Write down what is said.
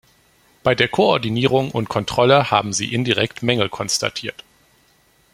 Bei der Koordinierung und Kontrolle haben Sie indirekt Mängel konstatiert.